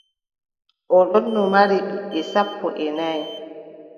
O ɗonno mari ɓiɓɓe sappo e nay.